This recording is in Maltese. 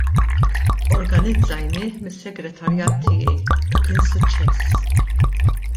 Organizzajnieh mis-Segretarjat tiegħi u kien suċċess.